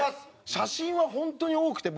写真は本当に多くて。